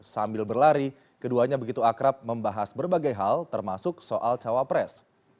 sambil berlari keduanya begitu akrab membahas berbagai hal termasuk soal cawapres